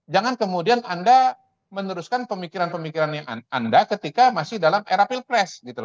jangan kemudian anda meneruskan pemikiran pemikiran yang anda ketika masih dalam era pilpres